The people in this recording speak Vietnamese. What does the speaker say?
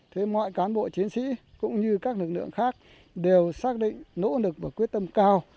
thế mọi cán bộ chiến sĩ cũng như các lực lượng khác đều xác định nỗ lực và quyết tâm cao